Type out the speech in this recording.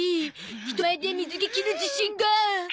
人前で水着着る自信が。